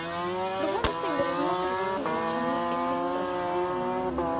The one thing that is not a disappointment to me, is his voice.